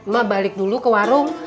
mama balik dulu ke warung